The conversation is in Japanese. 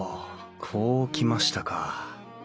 こうきましたか。